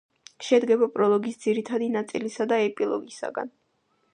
შედგება პროლოგის ძირითადი ნაწილისა და ეპილოგისაგან